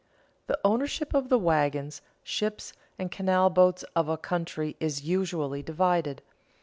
_ The ownership of the wagons, ships, and canal boats of a country is usually divided.